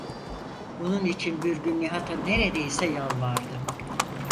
Bunun için bir gün Nihat’a neredeyse yalvardı.